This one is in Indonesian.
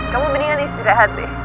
kamu mendingan istirahat deh